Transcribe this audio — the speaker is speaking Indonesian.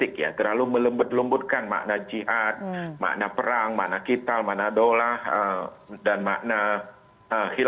kalau dalam pandangan antropologis